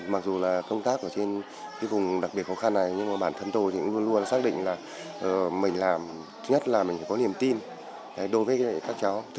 mặc dù là công tác ở trên cái vùng đặc biệt khó khăn này nhưng mà bản thân tôi thì luôn luôn xác định là mình làm trước là mình phải có niềm tin đối với các cháu